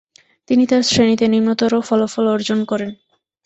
তিনি তার শ্রেণিতে নিম্নতর ফলাফল অর্জন করেন।